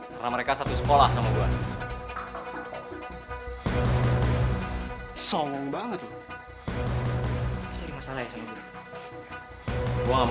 sampai jumpa di video selanjutnya